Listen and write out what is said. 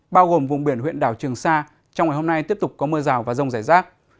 bao gồm vùng biển huyện đảo trường sa trong ngày hôm nay tiếp tục có mưa rào và rông rải rác